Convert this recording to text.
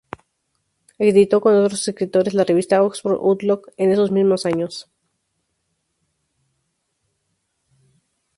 Editó con otros escritores la revista "Oxford Outlook", en esos mismos años.